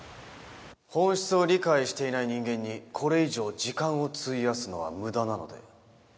本質を理解していない人間にこれ以上時間を費やすのは無駄なので。